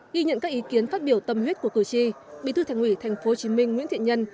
ghi nhận các ý kiến phát biểu tâm huyết của cử tri bí thư thành ủy tp hcm nguyễn thiện nhân